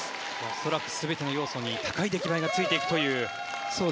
恐らく全ての要素に、高い出来栄えがついていくという。